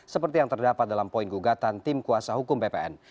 seperti yang terdapat dalam poin gugatan tim kuasa hukum bpn